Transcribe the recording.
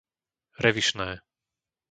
Revišné